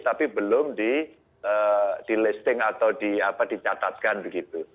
tapi belum di listing atau dicatatkan begitu